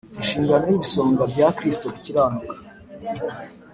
Inshingano y ibisonga bya Kristo bikiranuka